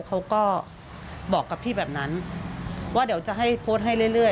เขาก็บอกกับพี่แบบนั้นว่าเดี๋ยวจะให้โพสต์ให้เรื่อย